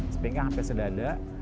sepinggang sampai sedadak